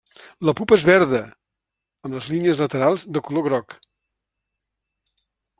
La pupa és verda, amb les línies laterals de color groc.